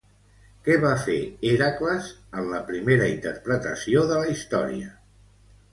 Què va fer Hèracles en la primera interpretació de la història?